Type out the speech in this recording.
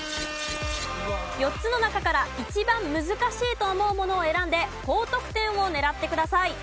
４つの中から一番難しいと思うものを選んで高得点を狙ってください。